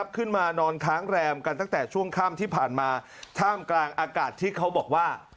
ขึ้นมานอนค้างแรมกันตั้งแต่ช่วงค่ำที่ผ่านมาท่ามกลางอากาศที่เขาบอกว่า